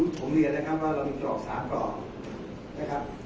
ผมเรียนนะครับว่าเรามีกรอบ๓กรอบนะครับ